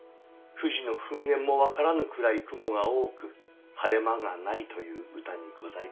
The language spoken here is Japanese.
富士の噴煙も分からぬくらい雲が多く晴れ間がないという歌にございます。